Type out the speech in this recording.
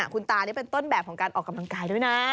คุณตานี่เป็นต้นแบบของการออกกำลังกายด้วยนะ